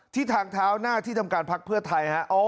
ทางเท้าหน้าที่ทำการพักเพื่อไทยฮะ